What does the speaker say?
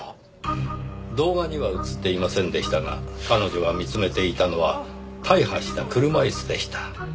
動画には映っていませんでしたが彼女が見つめていたのは大破した車椅子でした。